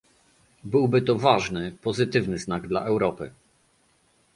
Byłby to ważny, pozytywny znak dla Europy